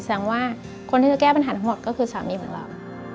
แสดงว่าคนที่จะแก้ปัญหาทั้งหมดก็คือสามีเหมือนเรา